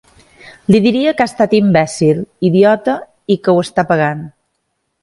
Li diria que ha estat imbècil, idiota i que ho està pagant.